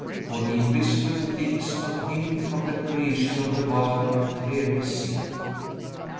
For the invisible things of him from the creation of the world are clearly seen."